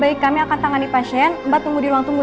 baik kami akan tangani pasien mbak tunggu di ruang tunggu